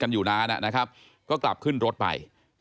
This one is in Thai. กลุ่มวัยรุ่นก็ตอบไปว่าเอ้าก็จอดรถจักรยานยนต์ตรงแบบเนี้ยมานานแล้วอืม